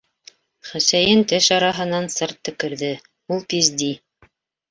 - Хөсәйен теш араһынан сырт төкөрҙө: - Ул пизди!